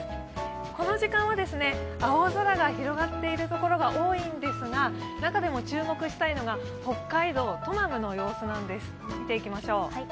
この時間は青空が広がっているところが多いんですが中でも注目したいのが北海道トマムの様子なんです。